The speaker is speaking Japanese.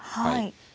はい。